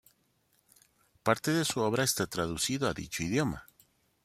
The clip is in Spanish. Parte de su obra está traducida a dicho idioma.